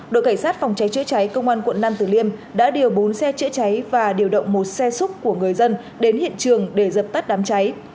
đội cảnh sát phòng cháy chữa cháy công an quận nam tử liêm đã điều bốn xe chữa cháy và điều động một xe xúc của người dân đến hiện trường để dập tắt đám cháy